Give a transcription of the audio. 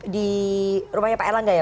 di rumahnya pak erlangga ya